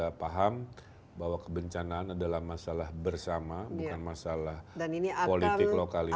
dan juga paham bahwa kebencanaan adalah masalah bersama bukan masalah politik lokalitas